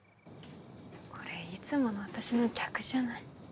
これいつもの私の逆じゃない。